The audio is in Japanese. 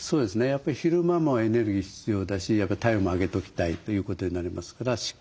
やっぱり昼間もエネルギー必要だし体温も上げときたいということになりますからしっかり食べると。